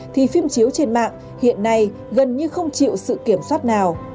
thì phim chiếu trên mạng hiện nay gần như không chịu sự kiểm soát nào